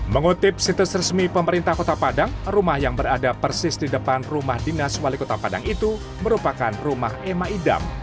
mengutip situs resmi pemerintah kota padang rumah yang berada persis di depan rumah dinas wali kota padang itu merupakan rumah emma idam